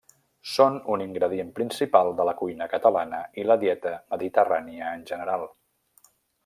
Són un ingredient principal de la cuina catalana i la dieta mediterrània en general.